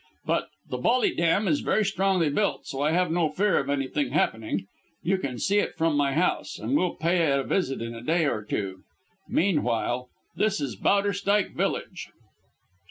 But the Bolly Dam is very strongly built, so I have no fear of anything happening. You can see it from my house, and we'll pay it a visit in a day or two. Meantime, this is Bowderstyke village."